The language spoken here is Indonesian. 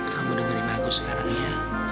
kamu dengerin aku sekarang ya